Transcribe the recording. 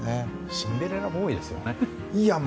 シンデレラボーイですよね。